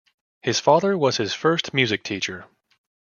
His father was his first music teacher.